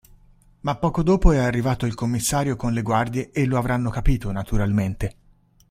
Ma poco dopo è arrivato il commissario con le guardie e lo avranno capito, naturalmente.